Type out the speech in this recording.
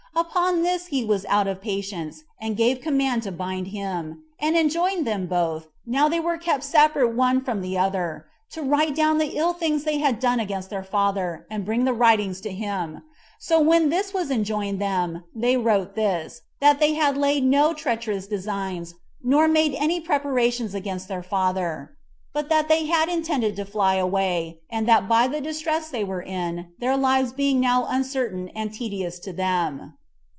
Upon this he was out of patience, and gave command to bind him; and enjoined them both, now they were kept separate one from the other, to write down the ill things they had done against their father, and bring the writings to him, So when this was enjoined them, they wrote this, that they had laid no treacherous designs, nor made any preparations against their father, but that they had intended to fly away; and that by the distress they were in, their lives being now uncertain and tedious to them.